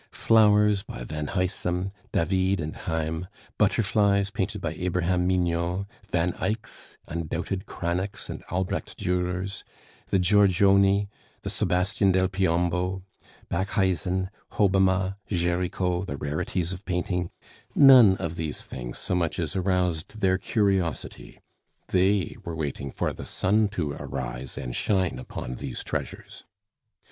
Flowers by Van Huysum, David, and Heim; butterflies painted by Abraham Mignon; Van Eycks, undoubted Cranachs and Albrecht Durers; the Giorgione, the Sebastian del Piombo; Backhuijzen, Hobbema, Gericault, the rarities of painting none of these things so much as aroused their curiosity; they were waiting for the sun to arise and shine upon these treasures.